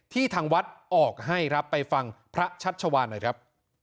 ทางวัดออกให้ครับไปฟังพระชัชวานหน่อยครับ